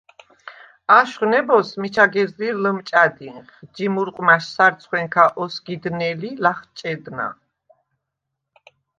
აშხვ ნებოზს მიჩა გეზლირ ლჷმჭა̈დინხ, ჯი მურყვმა̈შ სარცხვენქა ოსგიდნელი, ლახჭედნა: